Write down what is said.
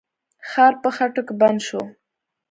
خر په خټو کې بند شو.